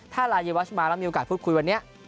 ถ้าลายวัชมาแล้วมีโอกาสพูดคุยวันนี้